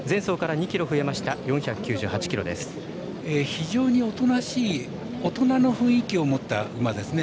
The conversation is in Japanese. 非常におとなしい大人の雰囲気を持った馬ですね。